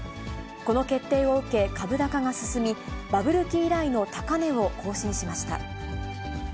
この決定を受け株高が進み、バブル期以来の高値を更新しました。